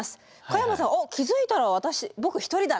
小山さん気付いたら僕１人だ。